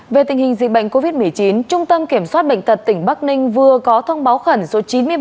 về tình hình dịch bệnh covid một mươi chín trung tâm kiểm soát bệnh tật tỉnh bắc ninh vừa có thông báo khẩn số chín mươi bảy